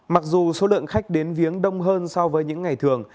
mặc dù số lượng khách đến viếng đông hơn so với những ngày thường